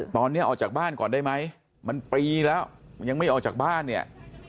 ตอนนี้ออกจากบ้านก่อนได้ไหมมันปีแล้วยังไม่ออกจากบ้านเนี่ย